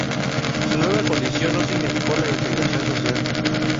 Su nueva condición no significó la integración social.